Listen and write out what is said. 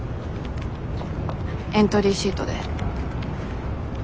エントリーシートで。